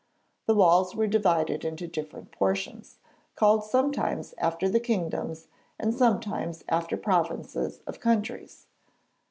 The walls were divided into different portions, called sometimes after the kingdoms and sometimes after provinces of countries.